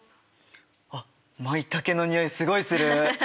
あっマイタケのにおいすごいする。